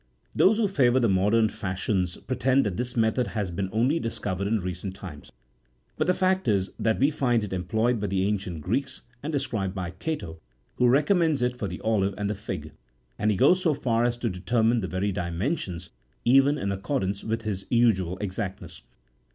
Those who favour the modern fashions pretend that this method has been only discovered in recent times ; but the fact is, that we find it employed by the ancient Greeks, and described by Cato,32 who recommends it for the olive and the fig ; and he goes so far as to determine the very dimensions even, in accordance with his usual exactness.